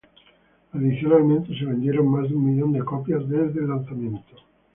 Adicionalmente, se vendieron más de un millón de copias desde el lanzamiento.